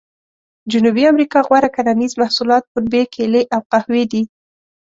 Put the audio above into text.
جنوبي امریکا غوره کرنیز محصولات پنبې، کېلې او قهوې دي.